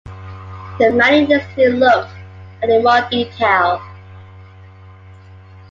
The money needs to be looked at in more detail.